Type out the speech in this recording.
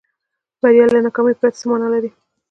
بریا له ناکامۍ پرته څه معنا لري.